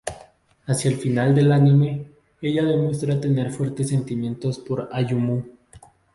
Hacia el final del anime, ella demuestra tener fuertes sentimientos por Ayumu.